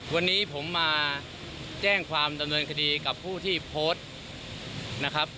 วันนี้ผมมาแจ้งความดำเนินคดีกับผู้ที่โพสต์นะครับ